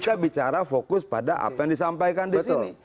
kita bicara fokus pada apa yang disampaikan di sini